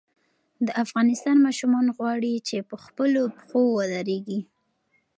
د افغانستان ماشومان غواړي چې په خپلو پښو ودرېږي.